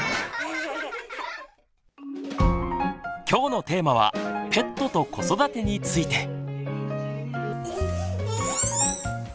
今日のテーマは「ペットと子育て」について。